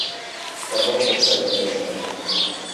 Fa molt que esperem aquest moment.